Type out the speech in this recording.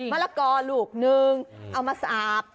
มะละกอลูกหนึ่งเอามาสะอาบ